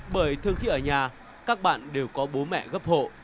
bởi thường khi ở nhà các bạn đều có bố mẹ gấp hộ